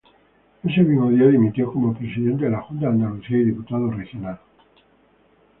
Ese mismo día dimitió como Presidente de la Junta de Andalucía y diputado regional.